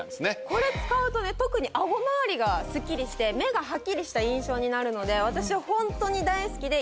これ使うと特に顎周りがすっきりして目がはっきりした印象になるので私はホントに大好きで。